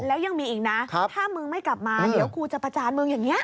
แล้วยังมีอีกนะถ้ามึงไม่กลับมาเดี๋ยวกูจะประจานมึงอย่างนี้